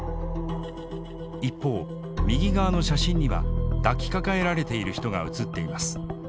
一方右側の写真には抱きかかえられている人が写っています。